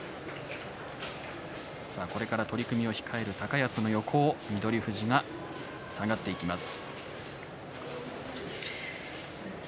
これから取組を控える高安の横を翠富士が下がっていきます。